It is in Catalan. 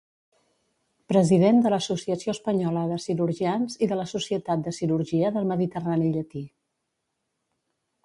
President de l'Associació Espanyola de Cirurgians i de la Societat de Cirurgia del Mediterrani Llatí.